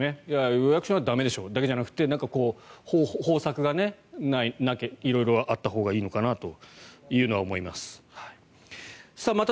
予約しないと駄目でしょだけじゃなくて方策が色々あったほうがいいのかなというのは思います。